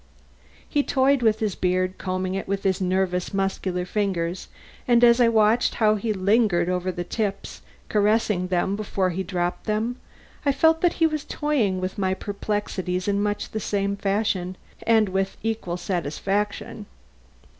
He toyed with his beard, combing it with his nervous, muscular fingers, and as I watched how he lingered over the tips, caressing them before he dropped them, I felt that he was toying with my perplexities in much the same fashion and with an equal satisfaction.